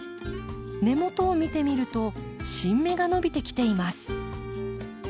根元を見てみると新芽が伸びてきています。